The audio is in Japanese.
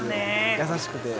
優しくて。